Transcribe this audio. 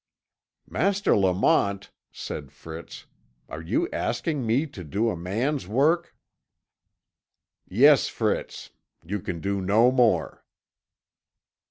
"Master Lamont," said Fritz, "are you asking me to do a man's work?' "Yes, Fritz you can do no more."